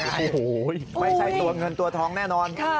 ไม่ใช่ผิดสวยเงินตัวท้องแน่นอน